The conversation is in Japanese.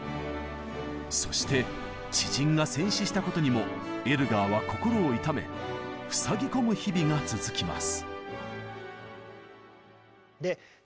そして知人が戦死したことにもエルガーは心を痛めふさぎ込む日々が続きます。